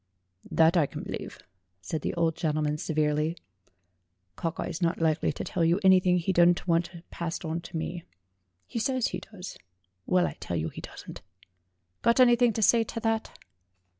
"That I can believe," said the old gentleman se verely; "Cockeye is not likely to tell you anything he doesn't want passed on to me. He says he does ; well, I tell you he doesn't. Got anything to say to that?"